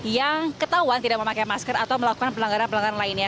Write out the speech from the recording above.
yang ketahuan tidak memakai masker atau melakukan pelanggaran pelanggaran lainnya